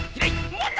もっと。